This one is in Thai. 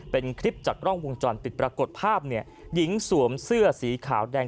เป็นคลิปจากกล้องวงจรปิดปรากฏภาพเนี่ยหญิงสวมเสื้อสีขาวแดง